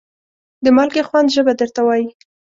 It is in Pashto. د مالګې خوند ژبه درته وایي.